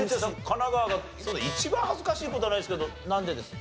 神奈川が一番恥ずかしい事はないですけどなんでです？